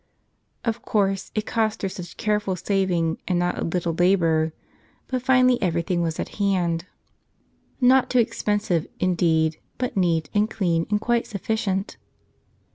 Of course, it cost her such care¬ ful saving and not a little labor, but finally everything was at hand, not too expensive, indeed, but neat and clean and quite sufficient.